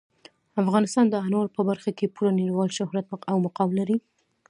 افغانستان د انارو په برخه کې پوره نړیوال شهرت او مقام لري.